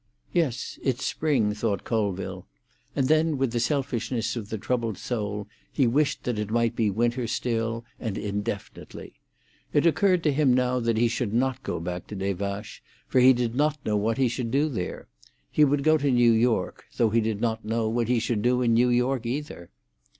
"Yes, it's spring," thought Colville; and then, with the selfishness of the troubled soul, he wished that it might be winter still and indefinitely. It occurred to him now that he should not go back to Des Vaches, for he did not know what he should do there. He would go to New York: though he did not know what he should do in New York, either.